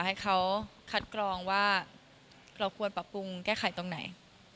ให้เขาคัดกรองว่าเราควรปรับปรุงแก้ไขตรงไหน